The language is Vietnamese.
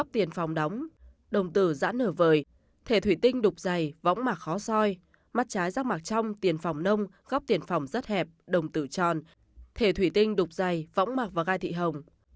thể thủy tinh đục dày võng mạc khó soi mắt trái rác mạc trong tiền phòng nông góc tiền phòng rất hẹp đồng tử tròn thể thủy tinh đục dày võng mạc và gai thị hồng